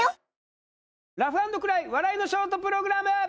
「ラフ＆クライ笑いのショートプログラム」